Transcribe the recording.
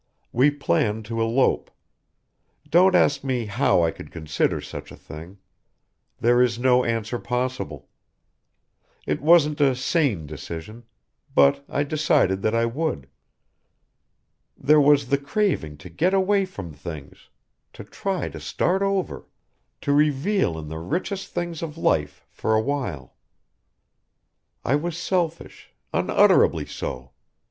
"We planned to elope. Don't ask me how I could consider such a thing. There is no answer possible. It wasn't a sane decision but I decided that I would. There was the craving to get away from things to try to start over. To revel in the richest things of life for awhile. I was selfish unutterably so.